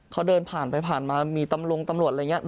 เขาเดินผ่านไปผ่านมามีตำรงตำรวจอะไรอย่างนี้